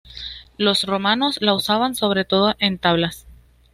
Los romanos la usaban sobre todo en tablas.